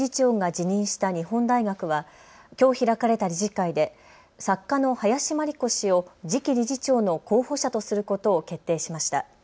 脱税事件で前理事長が辞任した日本大学はきょう開かれた理事会で作家の林真理子氏を次期理事長の候補者とすることを決定しました。